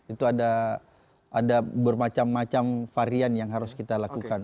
itu ada bermacam macam varian yang harus kita lakukan